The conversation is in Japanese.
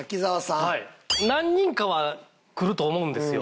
何人かはくると思うんですよ。